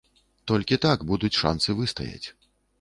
Толькі так будуць шанцы выстаяць.